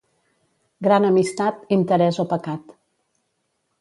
Gran amistat, interès o pecat.